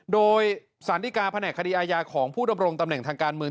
โดยสารดีกาแผนกคดีอาญาของผู้ดำรงตำแหน่งทางการเมือง